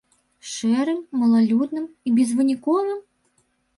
Шэрым, малалюдным і безвыніковым?